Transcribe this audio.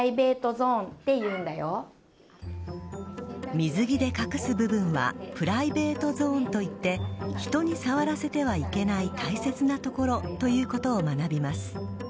水着で隠す部分はプライベートゾーンといって人に触らせてはいけない大切な所ということを学びます。